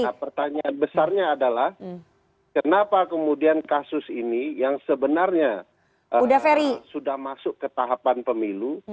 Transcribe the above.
nah pertanyaan besarnya adalah kenapa kemudian kasus ini yang sebenarnya sudah masuk ke tahapan pemilu